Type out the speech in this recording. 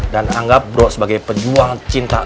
dan anggap bro sebagai pejuang cinta sejati